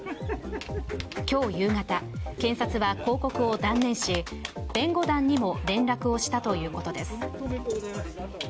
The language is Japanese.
今日夕方、検察は抗告を断念し、弁護団にも連絡をしたということです。